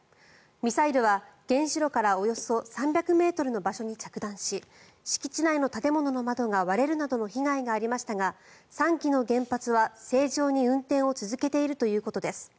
ミサイルは、原子炉からおよそ３００ｍの場所に着弾し敷地内の建物の窓が割れるなどの被害がありましたが３基の原発は正常に運転を続けているということです。